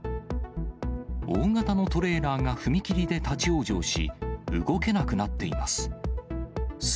大型のトレーラーが踏切で立往生し、動けなくなっています。